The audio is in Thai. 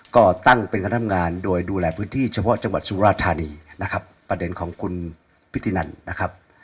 ก็ตั้งเป็นคณะทำงานโดยดูแลพื้นที่เฉพาะจังหวัดสุราธานีนะครับประเด็นของคุณพิธีนันนะครับ